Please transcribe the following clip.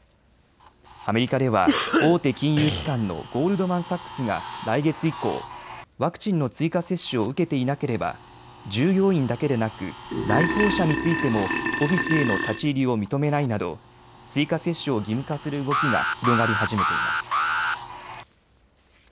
アメリカでは大手金融機関のゴールドマン・サックスが来月以降、ワクチンの追加接種を受けていなければ従業員だけでなく来訪者についてもオフィスへの立ち入りを認めないなど追加接種を義務化する動きが広がり始めています。